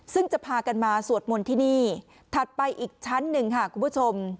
ซึ่งจะพากันมาสวดมนต์ที่นี่ถัดไปอีกชั้นหนึ่งค่ะคุณผู้ชม